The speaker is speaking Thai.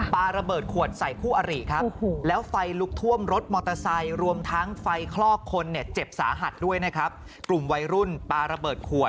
ปลาระเบิดขวดใส่คู่อารีครับ